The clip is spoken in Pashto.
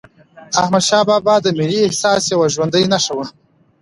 احمدشاه بابا د ملي احساس یوه ژوندي نښه وه.